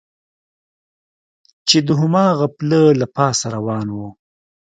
چې د هماغه پله له پاسه روان و.